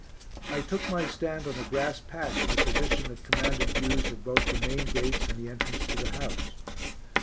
I took my stand on a grass patch in a position that commanded views of both the main gates and the entrance to the house.